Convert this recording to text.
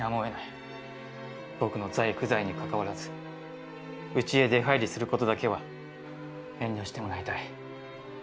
僕の在不在にかかわらず、うちへ出入りする事だけは遠慮してもらいたい」。